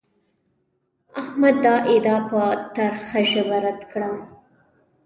احمد دا ادعا په ترخه ژبه رد کړه.